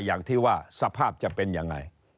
อย่างที่ว่าสภาพจะเป็นยังไง